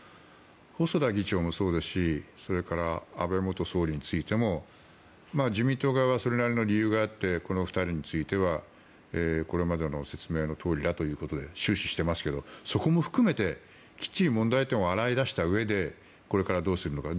細田議長もそうですしそれから安倍元総理についても自民党側はそれなりの理由があってこの２人についてはこれまでの説明のとおりだということで終始していますがそこも含めてきっちり問題点を洗い出したうえでこれからどうするのか。